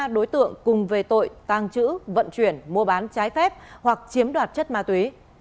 ba đối tượng cùng về tội tàng trữ vận chuyển mua bán trái phép hoặc chiếm đoạt chất ma túy